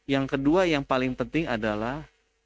yang kedua yang paling penting adalah